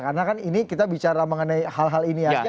karena kan ini kita bicara mengenai hal hal ini ya